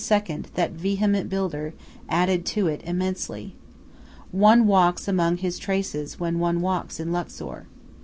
that vehement builder, added to it immensely. One walks among his traces when one walks in Luxor.